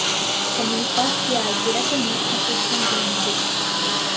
comunicar-se-á diretamente com suas congêneres